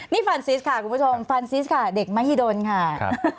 นี่ฟรานซิสค่ะคุณผู้ชมฟานซิสค่ะเด็กมหิดลค่ะ